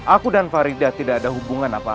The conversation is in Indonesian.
aku dan farida tidak ada hubungan apa apa